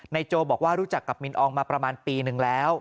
โจบอกว่ารู้จักกับมินอองมาประมาณปีนึงแล้ว